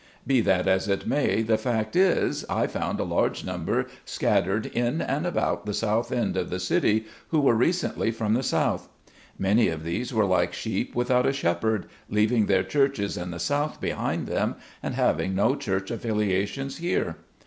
Be that as it may, the fact is, I found a large number scattered in and about the South End of the city, who were recently from the South. Many of these were like sheep without a Shepherd, leaving their churches in the South behind them, and having no church affiliations here.